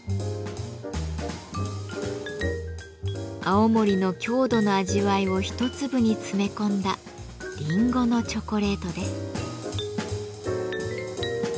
青森の郷土の味わいを一粒に詰め込んだりんごのチョコレートです。